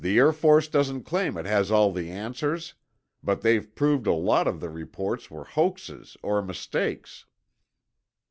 "The Air Force doesn't claim it has all the answers. But they've proved a lot of the reports were hoaxes or mistakes."